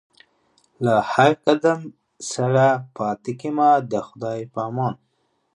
له هر قدم سره پاتېږمه د خدای په امان